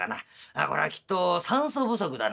これはきっと酸素不足だな」。